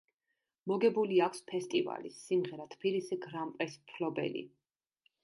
მოგებული აქვს ფესტივალის „სიმღერა თბილისზე“ გრან-პრის მფლობელი.